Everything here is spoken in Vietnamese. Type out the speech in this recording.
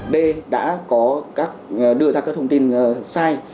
d đã đưa ra các thông tin sai